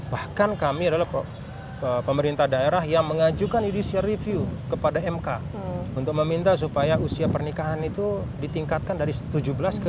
bahkan kami adalah pemerintah daerah yang mengajukan judicial review kepada mk untuk meminta supaya usia pernikahan itu ditingkatkan dari tujuh belas ke dua puluh